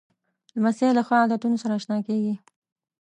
لمسی له ښو عادتونو سره اشنا کېږي.